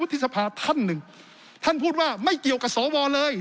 ที่สภาท่านหนึ่งท่านพูดว่าไม่เกี่ยวกับสวเลย